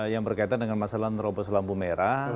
yang berkaitan dengan masalah menerobos lampu merah